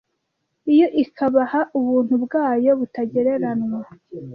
iyo ikabaha ubuntu bwayo butagereranywa